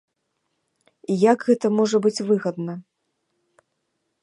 Як гэта можа быць выгадна.